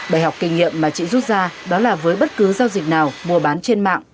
bài học kinh nghiệm mà chị rút ra đó là với bất cứ giao dịch nào mua bán trên mạng